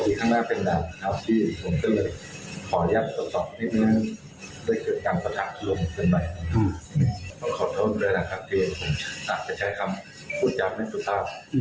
สิทธิ์ตำรวจในคลิปก็ไม่ให้เกิดเหตุการณ์แบบนี้ขึ้นอีกค่ะ